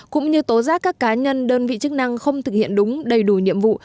cũng như tố giác các cá nhân đơn vị chức năng không thực hiện đúng đầy đủ nhiệm vụ